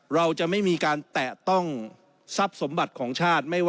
เราจะไม่มีการแตะต้องทรัพย์สมบัติของชาติ